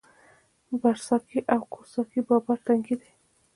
برڅاګی او کوز څاګی بابړ تنګی دی